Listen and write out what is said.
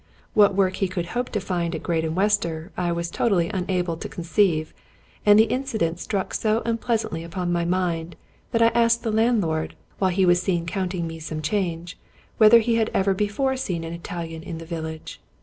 What work he could hope to find at Graden Wester, I was totally unable to conceive; and the incident struck so unpleasantly upon my mind, that I asked the landlord, while he was counting me some change, whether he had ever before seen an Italian in the village.